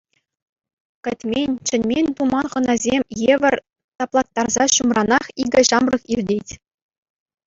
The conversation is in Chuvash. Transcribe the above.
Кӗтмен, чӗнмен-туман хӑнасем евӗр таплаттарса ҫумранах икӗ ҫамрӑк иртет.